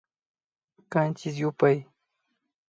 Kanchis yupay